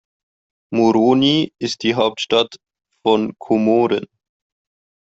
Moroni ist die Hauptstadt von Komoren.